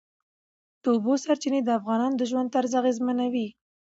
د اوبو سرچینې د افغانانو د ژوند طرز اغېزمنوي.